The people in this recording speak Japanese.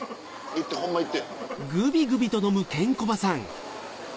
いってホンマいって。